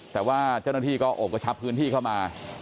แต่ว่าเจ้าหน้าที่ก็โอบกระชับพื้นที่เข้ามา